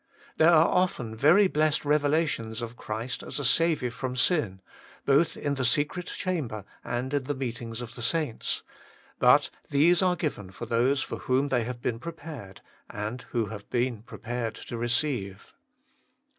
There are often very blessed revelations of Christ, as a Saviour from sin, both in the secret chamber and in the meetings of the saints ; but these are given to those for whom they have been prepared, and who have been prepared to receive.